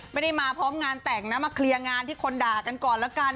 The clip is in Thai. ไม่ได้มาพร้อมงานแต่งนะมาเคลียร์งานที่คนด่ากันก่อนละกัน